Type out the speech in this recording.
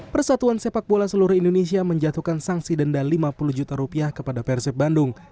persatuan sepak bola seluruh indonesia menjatuhkan sanksi denda lima puluh juta rupiah kepada persib bandung